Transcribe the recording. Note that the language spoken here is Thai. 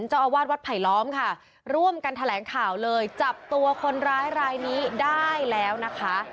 เจ้าอาวาสวัดไผลล้อมค่ะร่วมกันแถลงข่าวเลยจับตัวคนร้ายรายนี้ได้แล้วนะคะ